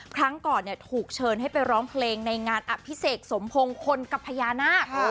ครั้งก่อนถูกเชิญให้ไปร้องเพลงในงานอภิเษกสมพงศ์คนกับพญานาค